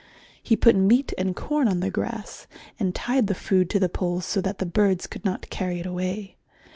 He put meat and corn on the grass, and tied the food to the poles so that the birds could not carry it away.